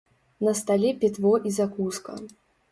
На стале пітво і закуска.